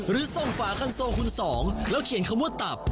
หรือส่งฝาคันโซคุณสองแล้วเขียนคำว่าตับ